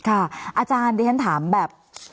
อาจารย์ดิฉันถามแบบ